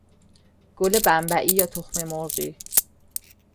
گل بمبئی یا تخم مرغی